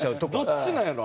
どっちなんやろ？